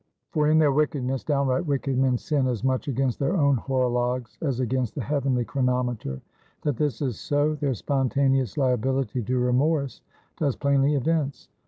For in their wickedness downright wicked men sin as much against their own horologes, as against the heavenly chronometer. That this is so, their spontaneous liability to remorse does plainly evince.